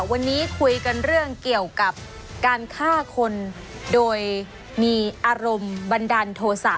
วันนี้คุยกันเรื่องเกี่ยวกับการฆ่าคนโดยมีอารมณ์บันดาลโทษะ